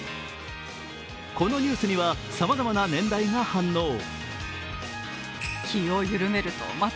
このニュースにはさまざまな年代が反応。